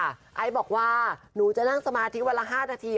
ไอซ์บอกว่าหนูจะนั่งสมาธิวันละ๕นาที